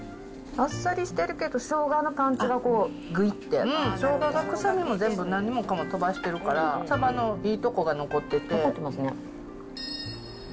あっさりしてるけど、しょうがのパンチがぐいって、しょうがのくさみが全部何もかも飛ばしてるから、サバのいいとこ残ってますね。